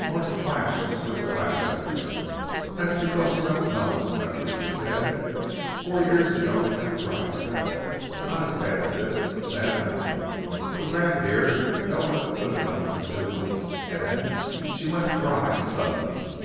Norton flashed a swift glance at him. "That's because you don't know this country," he said. "Four years ago we had a dry spell. Not so bad as this, but bad enough. The Rabbit Ear held up good enough for two months. Then she went dry sudden.